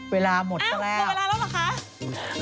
เวลาเมื่อกี้แล้วเหรอคะ